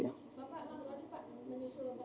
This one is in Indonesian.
bapak lalu lagi pak